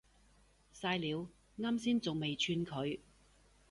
曬料，岩先仲未串佢